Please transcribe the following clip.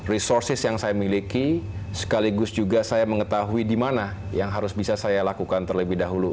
resources yang saya miliki sekaligus juga saya mengetahui di mana yang harus bisa saya lakukan terlebih dahulu